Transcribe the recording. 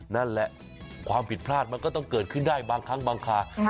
นั่นแหละความผิดพลาดมันก็ต้องเกิดขึ้นได้บางครั้งบางคา